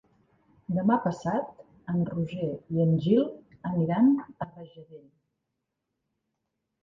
Demà passat en Roger i en Gil aniran a Rajadell.